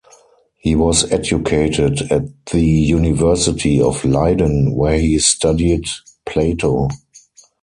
He was educated at the University of Leiden, where he studied Plato.